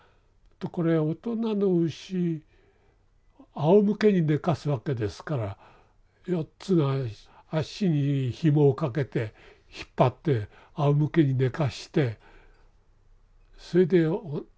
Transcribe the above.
これは大人の牛あおむけに寝かすわけですから４つの足にひもをかけて引っ張ってあおむけに寝かしてそれでおなか一面の毛をそってですね